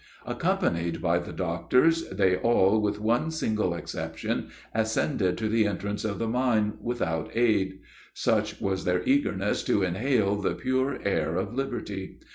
Accompanied by the doctors, they all with one single exception, ascended to the entrance of the mine, without aid; such was their eagerness to inhale the pure air of liberty.